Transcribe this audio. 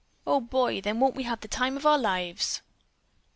Oh, boy, then won't we have the time of our lives?"